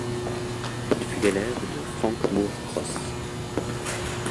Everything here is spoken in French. Il fut l'élève de Frank Moore Cross.